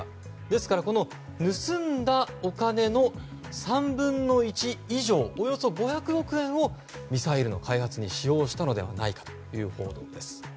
ですから、盗んだお金の３分の１以上およそ５００億円をミサイルの開発に使用したのではないかという報道です。